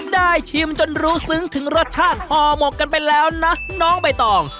ชิมจนรู้ซึ้งถึงรสชาติห่อหมกกันไปแล้วนะน้องใบตอง